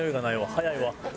早いわ。